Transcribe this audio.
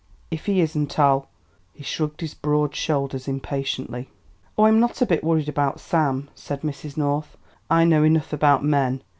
If he isn't I'll " He shrugged his broad shoulders impatiently. "Oh, I'm not a bit worried about Sam," said Mrs. North; "I know enough about men.